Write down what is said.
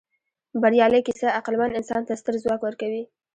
بریالۍ کیسه عقلمن انسان ته ستر ځواک ورکوي.